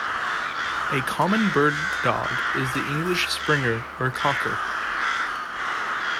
A common bird dog is the English Springer or Cocker.